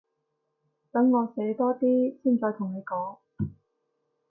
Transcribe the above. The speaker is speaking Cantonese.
等我寫多啲先再同你講